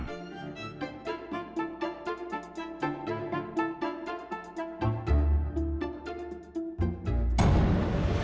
สวัสดีครับ